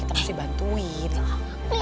kita harus dibantuin lah